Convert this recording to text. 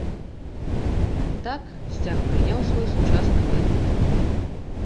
Так сцяг прыняў свой сучасны выгляд.